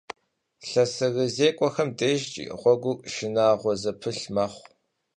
ЛъэсырызекӀуэхэм дежкӀи гъуэгур шынагъуэ зыпылъ мэхъу.